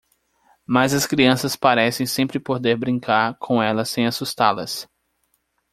Mas as crianças parecem sempre poder brincar com elas sem assustá-las.